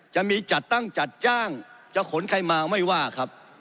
จะมีจัดตั้งจัดจ้างจะขนใครมาไม่ว่าครับ